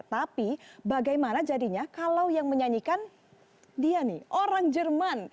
tapi bagaimana jadinya kalau yang menyanyikan dia nih orang jerman